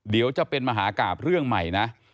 เดี๋ยวจะเป็นมหากราบเรื่องใหม่นะ